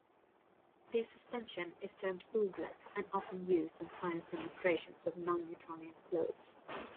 This suspension is termed oobleck and often used in science demonstrations of non-Newtonian fluids.